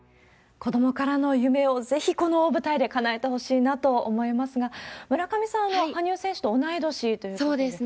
子どもからの夢をぜひこの大舞台でかなえてほしいなと思いますが、村上さんも羽生さんと同い年ということで。